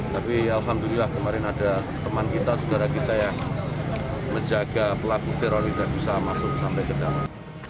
tapi alhamdulillah kemarin ada teman kita saudara kita yang menjaga pelaku teroris dan bisa masuk sampai ke dalam